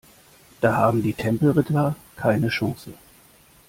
Da haben die Tempelritter keine Chance.